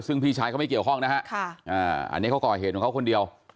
ซึ่งพี่ชายเขาไม่เกี่ยวข้องนะฮะอันนี้เขาก่อเหตุของเขาคนเดียว